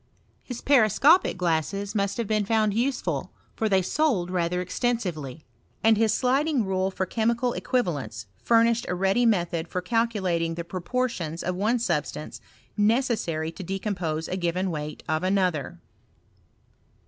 His periscopic glasses must have been found useful^ for they sold rather extensively : and his sliding* rule for chemical equivalents furnished a ready method for calculating the proportions of one suIh stance necessary to decompose a given weight of another.